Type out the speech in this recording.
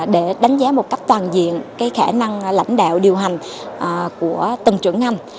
để đánh giá một cách toàn diện khả năng lãnh đạo điều hành của tầng trưởng ngành